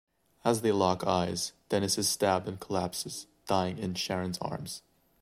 As they lock eyes, Dennis is stabbed and collapses, dying in Sharon's arms.